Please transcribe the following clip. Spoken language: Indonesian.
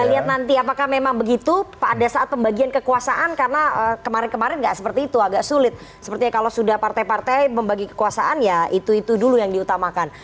kita lihat nanti apakah memang begitu pada saat pembagian kekuasaan karena kemarin kemarin nggak seperti itu agak sulit sepertinya kalau sudah partai partai membagi kekuasaan ya itu itu dulu yang diutamakan